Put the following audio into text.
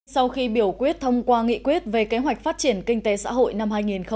sau khi biểu quyết thông qua nghị quyết về kế hoạch phát triển kinh tế xã hội năm hai nghìn hai mươi